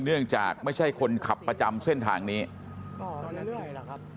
จึงจากไม่ใช่คนขับประจำเส้นทางนี้